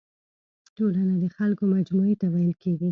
ټولنه د خلکو مجموعي ته ويل کيږي.